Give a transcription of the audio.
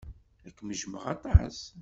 Ad kem-jjmeɣ aṭas.